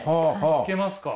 いけますか？